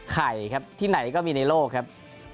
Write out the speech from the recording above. ไข่ครับที่ไหนก็มีในโลกครับ